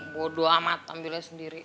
bodoh amat ambilnya sendiri